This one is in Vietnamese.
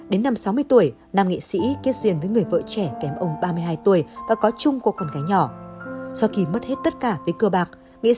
đến năm sáu mươi tuổi nam nghệ sĩ kết duyên